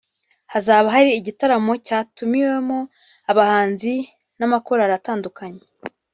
hazaba hari igitaramo cyatumiwemo abahanzi n'amakorali atandukanye